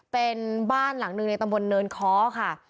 เป็นบ้านหลังหนึ่งในตำบลเนินค้อค่ะ